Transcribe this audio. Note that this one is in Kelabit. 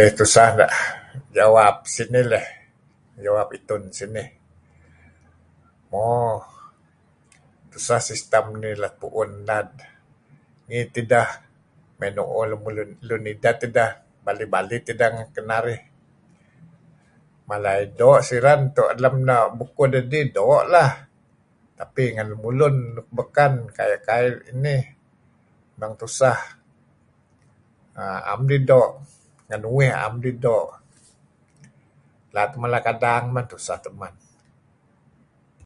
Eh tuseh jawab sinih leh, jawap itun sinih. Mo sah sistem nih let pu'un lad, ngih tideh mey nu'uh lun ideh tideh, balih-balih tideh ngen kenarih, mala dih doo' siren tu'en lem bukuh dedih doo' lah, tapi ngen lemulun luk beken kuayu' kaih nih memang tuseh, 'am dih doo', ngen uih 'am dih doo'. Nga' uih mala kadang tuseh tuih men.